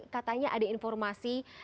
katanya ada informasi